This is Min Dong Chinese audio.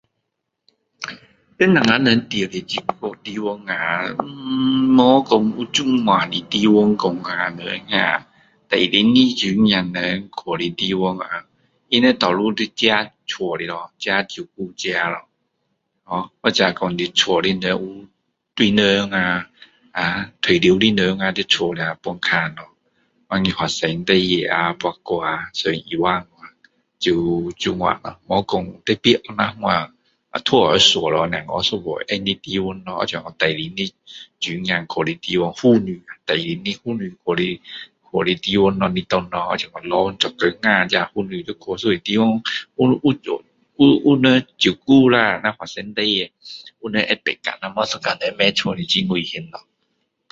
在我们住的这个地方啊没有说有这样的地方啊给怀孕的女生们去的地方啊他们多数在自己家的咯自己照顾自己咯ho或者说你家的人有大人啊退休的人在家啊帮忙看咯要是发生事情啊跌倒啊送医院去啊就就那样咯没有说特别像那样托儿所那样有一处放的地方好像怀孕的女生去的地方妇女怀孕的妇女去的地方咯白天咯好像说老公做工啊这妇女就去一种地方有有有人照顾啦若发生事情不然一个人在家很危险咯